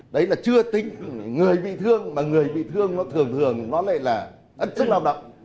đấy là chưa tính người bị thương mà người bị thương nó thường thường nó lại là ẩn chức lao động